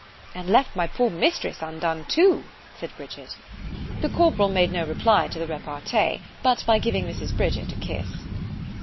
——And left my poor mistress undone too, said Bridget. The corporal made no reply to the repartee, but by giving Mrs. Bridget a kiss.